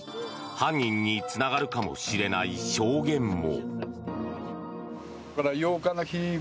犯人につながるかもしれない証言も。